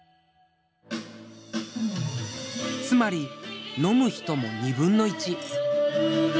つまり飲む人も２分の１。